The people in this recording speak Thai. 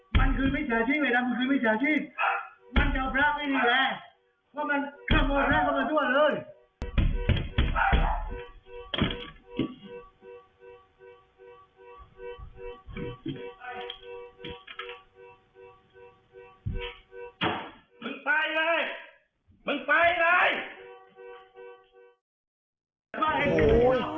มึงไปเลยมึงไปเลย